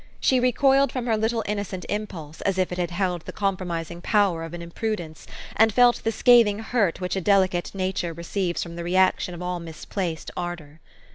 She recoiled from her little innocent impulse as if it had held the compromising power of an imprudence, and felt the scathing hurt which a delicate nature receives from the re action of all misplaced ardor.